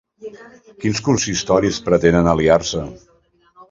Quins consistoris pretenen aliar-se?